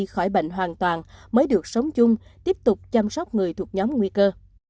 khỏi bệnh hoàn toàn mới được sống chung tiếp tục chăm sóc người thuộc nhóm nguy cơ